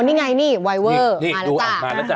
อ๋อนี่ไงนี่ไวเวอร์มาแล้วจ้ะนี่ดูอ่ะมาแล้วจ้ะ